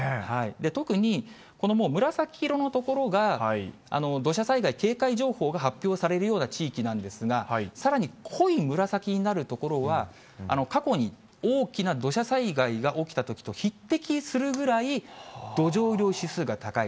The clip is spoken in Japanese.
特に、このもう紫色の所が、土砂災害警戒情報が発表されるような地域なんですが、さらに濃い紫になる所は、過去に大きな土砂災害が起きたときと匹敵するぐらい、土壌雨量指数が高い。